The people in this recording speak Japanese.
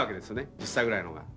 １０歳ぐらいの方が。